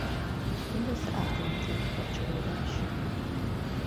Mindössze ártalmatlan kikapcsolódás.